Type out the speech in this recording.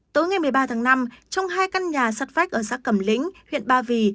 tối ngày một mươi ba tháng năm trong hai căn nhà sắt vách ở xã cẩm lĩnh huyện ba vì